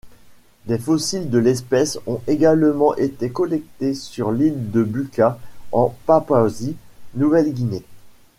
Des fossiles de l'espèce ont également été collectés sur l'île de Buka en Papouasie-Nouvelle-Guinée.